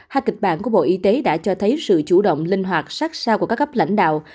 hai kịch bản của bộ y tế đã cho thấy sự chủ động linh hoạt sát sao của các cấp lãnh đạo